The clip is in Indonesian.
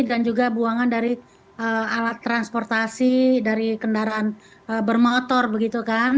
dan juga buangan dari alat transportasi dari kendaraan bermotor begitu kan